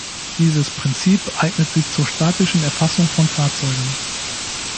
Dieses Prinzip eignet sich zur statischen Erfassung von Fahrzeugen.